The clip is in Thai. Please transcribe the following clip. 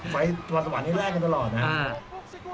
ไปพรสวรรค์อีกแรกกันตลอดนะครับ